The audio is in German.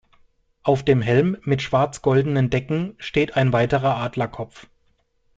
Auf dem Helm mit schwarz-goldenen Decken steht ein weiterer Adlerkopf.